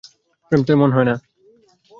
প্রেম তো এমন হয় না।